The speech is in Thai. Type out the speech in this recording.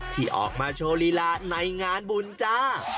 ที่ออกมาโชว์ลีลาในงานบุญจ้า